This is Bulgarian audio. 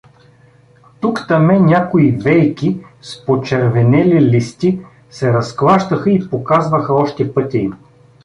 Тук-таме някои вейки с почервенели листи се разклащаха и показваха още пътя им.